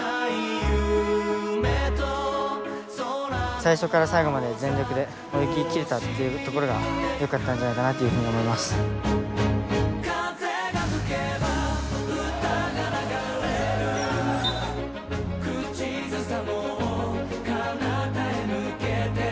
最初から最後まで全力で泳ぎきれたというところがよかったんじゃないかなと思いました。